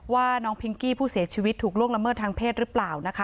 ว่าน้องพิงกี้ผู้เสียชีวิตถูกล่วงละเมิดทางเพศหรือเปล่านะคะ